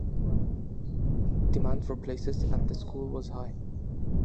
Demand for places at the school was high.